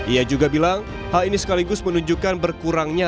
ia juga bilang hal ini sekaligus menunjukkan berkurangnya